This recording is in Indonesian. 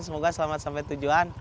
semoga selamat sampai tujuan